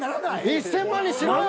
１，０００万にしろよ！